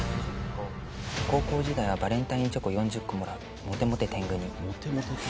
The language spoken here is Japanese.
「高校時代はバレンタインチョコ４０個もらうモテモテ天狗に」